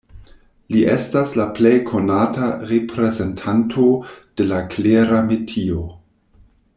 Li estas la plej konata reprezentanto de la Klera metio.